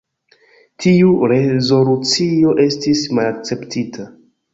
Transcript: Tiu rezolucio estis malakceptita.